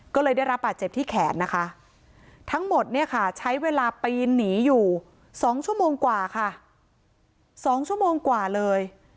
ก็เลยได้รับบาดเจ็บที่แขนนะคะทั้งหมดเนี่ยค่ะใช้เวลาปีนหนีอยู่๒ชั่วโมงกว่าค่ะ๒ชั่วโมงกว่าเลย